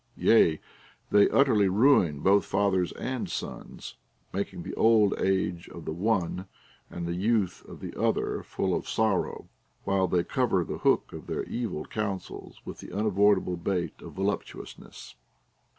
Yea, they utterly ruin both fathers and sons, making the old age of the one and the youth of the other full of sorrow, while they cover the hook of their evil counsels Λvith the un avoidable bait of voluptuousness.